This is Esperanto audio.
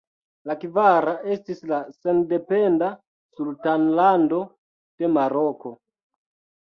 La kvara estis la sendependa Sultanlando de Maroko.